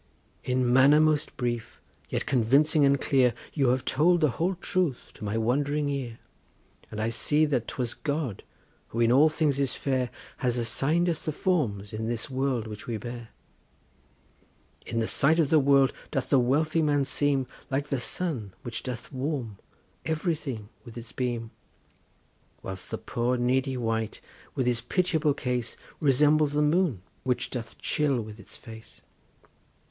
In manner most brief, yet convincing and clear, You have told the whole truth to my wond'ring ear, And I see that 'twas God, who in all things is fair, Has assign'd us the forms, in this world which we bear. In the sight of the world doth the wealthy man seem Like the sun which doth warm everything with its beam; Whilst the poor needy wight with his pitiable case Resembles the moon which doth chill with its face.